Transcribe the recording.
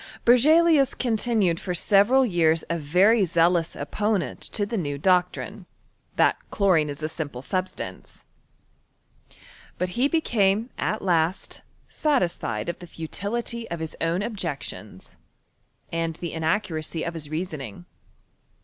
Berzelius con« r cuKMisrar. tinued for several vean a very zealous oppottent ts n doctrine, that chlorioe \& a simple subGtaoce. But be became at last satisfied of the futility of hii own objections, aud the inaccuracy of his reasoning.